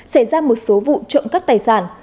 xảy ra một số vụ trộm cắt tài sản